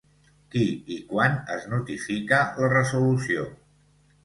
Qui i quan es notifica la resolució?